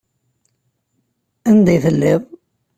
Anda i telliḍ?